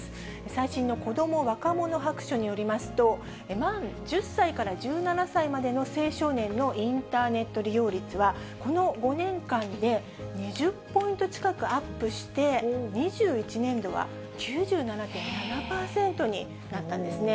最新の子供・若者白書によりますと、満１０歳から１７歳までの青少年のインターネット利用率は、この５年間で２０ポイント近くアップして、２１年度は９７．７％になったんですね。